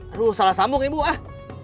aduh salah sambung ibu ah